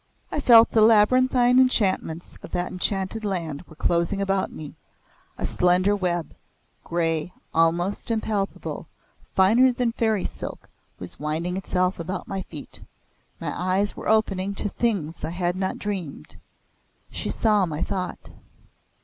I felt the labyrinthine enchantments of that enchanted land were closing about me a slender web, grey, almost impalpable, finer than fairy silk, was winding itself about my feet. My eyes were opening to things I had not dreamed. She saw my thought.